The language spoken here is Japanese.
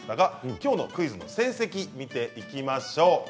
きょうのクイズの成績を見ていきましょう。